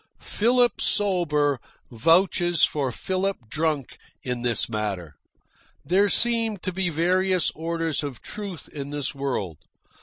Philip sober vouches for Philip drunk in this matter. There seem to be various orders of truth in this world.